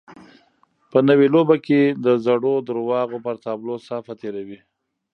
په نوې لوبه کې د زړو درواغو پر تابلو صافه تېروي.